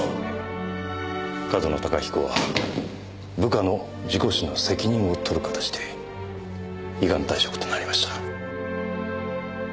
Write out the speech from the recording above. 上遠野隆彦は部下の事故死の責任を取る形で依願退職となりました。